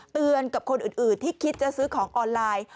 เตือนกับคนอื่นที่คิดจะซื้อของออนไลน์